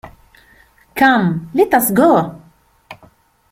Come, let us go!